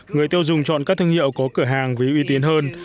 người tiêu dùng chọn các thương hiệu có cửa hàng vì uy tín hơn